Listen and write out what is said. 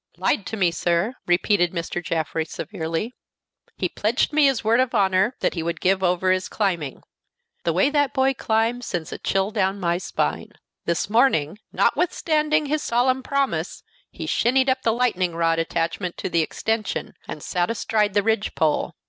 "Lied to me, sir," repeated Mr. Jaffrey, severely. "He pledged me his word of honor that he would give over his climbing. The way that boy climbs sends a chill down my spine. This morning, notwithstanding his solemn promise, he shinned up the lightning rod attached to the extension, and sat astride the ridge pole.